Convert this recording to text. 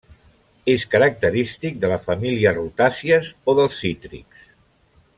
És característic de la família rutàcies o dels cítrics.